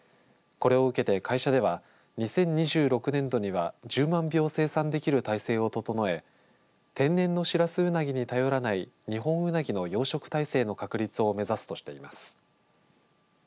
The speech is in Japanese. これを受けて会社では２０２６年度には１０万尾を生産できる体制を整え天然のシラスウナギに頼らない二ホンウナギの養殖体制の確立を目指すとしています。